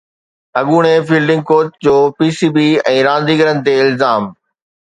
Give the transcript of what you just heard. اڳوڻي fielding coach جو P C B ۽ رانديگرن تي الزام